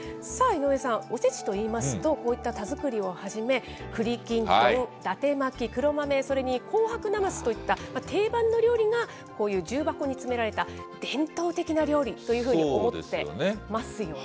さあ、井上さん、おせちといいますと、こういった田作りをはじめ、くりきんとん、だて巻き、黒豆、それに紅白なますといった定番の料理がこういう重箱に詰められた伝統的な料理というふうに思ってますよね。